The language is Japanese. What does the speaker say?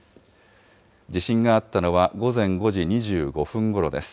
地震があったのは、午前５時２５分ごろです。